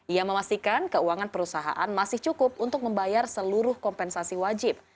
ia memastikan keuangan perusahaan masih cukup untuk membayar seluruh kompensasi wajib